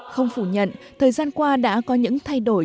không phủ nhận thời gian qua đã có những thay đổi